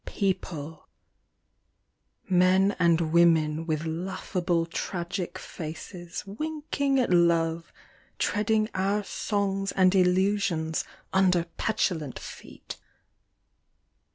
People — Men and women with laughable tragic faces Winking at love, Treading our songs and illusions Under petulant feet